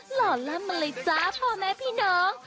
หล่อล่ำมาเลยจ้าพ่อแม่พี่น้อง